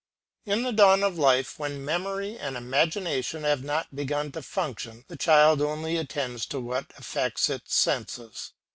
In the dawn of life, when memory and imagination have not begun to function, the child only attends to what affects its senses.